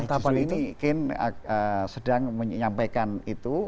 nah tahapan ini ken sedang menyampaikan itu